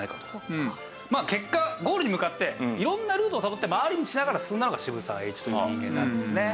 まあ結果ゴールに向かって色んなルートをたどって回り道しながら進んだのが渋沢栄一という人間なんですね。